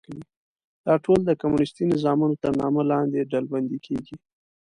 دا ټول د کمونیستي نظامونو تر نامه لاندې ډلبندي کېږي.